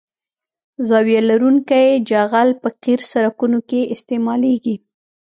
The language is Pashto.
زاویه لرونکی جغل په قیر سرکونو کې استعمالیږي